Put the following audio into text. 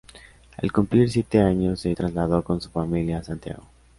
Al cumplir siete años se trasladó con su familia a Santiago.